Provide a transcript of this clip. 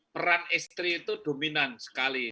peran istri itu dominan sekali